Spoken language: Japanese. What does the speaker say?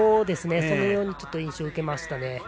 そのような印象を受けました。